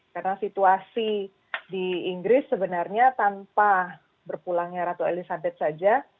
karena situasi di inggris sebenarnya tanpa berpulangnya ratu elizabeth saja